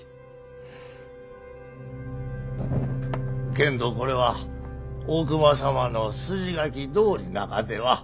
けんどこれは大隈様の筋書きどおりながでは？